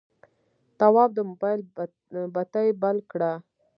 تواب د موبایل بتۍ بل کړه.